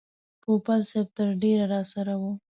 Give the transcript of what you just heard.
پوپل صاحب تر ډېره راسره و.